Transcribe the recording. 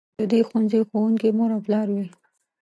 د دې ښوونځي ښوونکي مور او پلار وي.